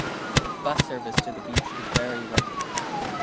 Bus service to the beach is very regular.